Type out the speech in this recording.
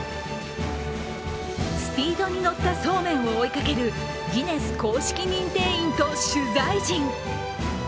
スピードに乗ったそうめんを追いかけるギネス公式認定員と取材陣。